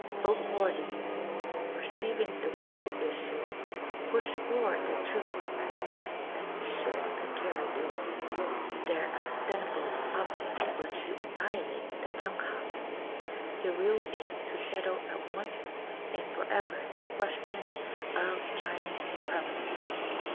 Both parties, perceiving the real is sue, pushed forward their troops as fast as their ships could carry them. Their ostensible object was to anni hilate the Tunghaks, their real aim to settle at once and forever the question of Chinese supremacy.